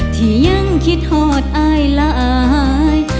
ที่ยังคิดหอดอายหลาย